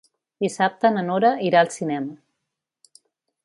Dissabte na Nora irà al cinema.